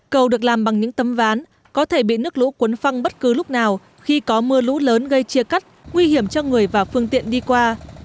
cầu được làm bằng những tấm ván có thể bị nước lũ cuốn phăng bất cứ lúc nào khi có mưa lũ lớn gây chia cắt nguy hiểm cho người và phương tiện đi qua